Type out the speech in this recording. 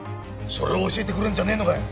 それを教えてくれるんじゃねえのかよ。